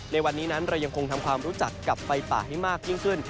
ในวันนี้นั้นเรายังคงทำความรู้จักกับไฟป่าให้มากยิ่งขึ้น